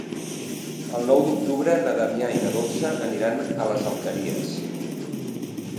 El nou d'octubre na Damià i na Dolça aniran a les Alqueries.